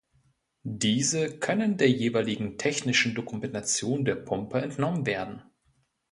Diese können der jeweiligen technischen Dokumentation der Pumpe entnommen werden.